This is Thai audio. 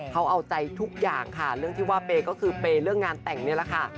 เขาเอาใจทุกอย่างค่ะเรื่องที่ว่าเปย์ก็คือเปย์เรื่องงานแต่งนี่แหละค่ะ